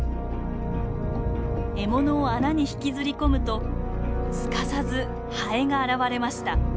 獲物を穴に引きずり込むとすかさずハエが現れました。